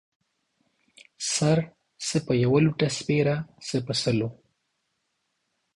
سر څه په يوه لوټۀ سپيره ، څه په سلو.